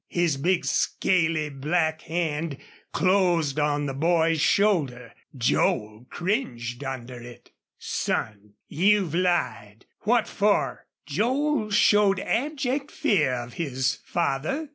His big, scaly, black hand closed on the boy's shoulder. Joel cringed under it. "Son, you've lied. What for?" Joel showed abject fear of his father.